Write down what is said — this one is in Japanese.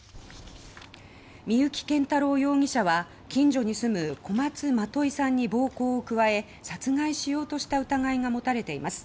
三幸謙太郎容疑者は近所に住む小松まといさんに暴行を加え殺害しようとした疑いが持たれています。